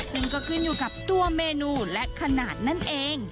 ซึ่งก็ขึ้นอยู่กับตัวเมนูและขนาดนั่นเอง